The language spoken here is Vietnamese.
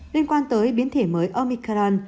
liên quan tới biến thể mới omicron